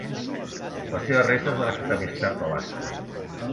Les seves restes van afectar més tard Alaska.